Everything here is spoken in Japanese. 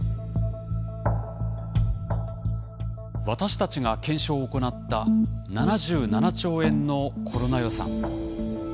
私たちが検証を行った７７兆円のコロナ予算。